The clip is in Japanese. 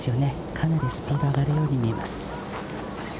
かなりスピード上がるように見えます。